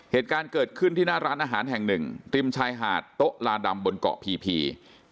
เหตุการณ์เกิดขึ้นที่หน้าร้านอาหารแห่งหนึ่งริมชายหาดโต๊ะลาดำบนเกาะพีพี